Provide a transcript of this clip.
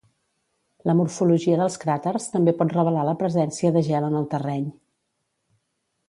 La morfologia dels cràters també pot revelar la presència de gel en el terreny.